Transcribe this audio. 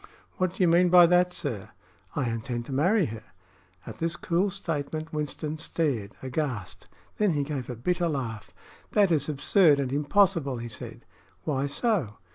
"What do you mean by that, sir?" "I intend to marry her." At this cool statement Winston stared aghast. Then he gave a bitter laugh. "That is absurd and impossible," he said. "Why so?"